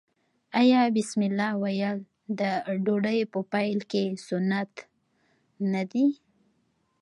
آیا بسم الله ویل د ډوډۍ په پیل کې سنت نه دي؟